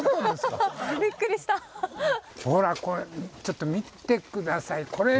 ほらこれちょっと見て下さい。